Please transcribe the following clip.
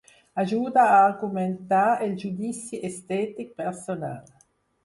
Ajuda a argumentar el judici estètic personal.